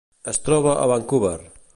Es troba a Vancouver.